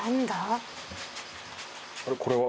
あれっこれは？